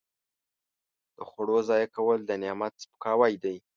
د خوړو ضایع کول د نعمت سپکاوی دی.